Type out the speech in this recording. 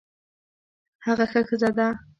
هغه ښه ښځه ده